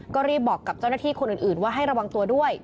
ก็รีบบอกกับเจ้าหน้าที่คนอื่นว่าให้ระวังตัวด้วย